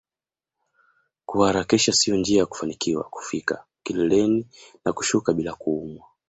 Kuharakisha sio njia ya kufanikiwa kufika kileleni na kushuka bila kuumwa